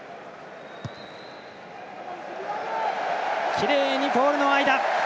きれいにポールの間。